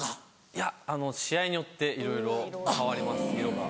いや試合によっていろいろ変わります色が。